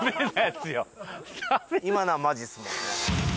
今のはマジですもんね。